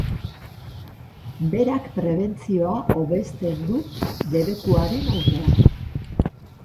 Berak prebentzioa hobesten du debekuaren aurrean.